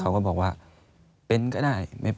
อันดับ๖๓๕จัดใช้วิจิตร